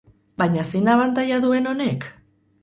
Baina zein abantaila duen honek?